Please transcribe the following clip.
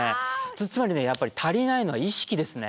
つまりねやっぱり足りないのは意識ですね。